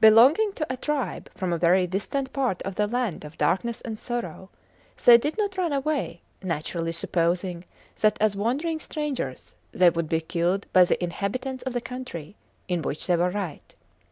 Belonging to a tribe from a very distant part of the land of darkness and sorrow, they did not run away, naturally supposing that as wandering strangers they would be killed by the inhabitants of the country; in which they were right.